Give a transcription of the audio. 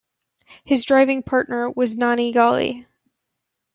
His driving partner was Nanni Galli.